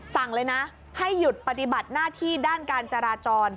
สั่งเลยนะให้หยุดปฏิบัติหน้าที่ด้านการจราจร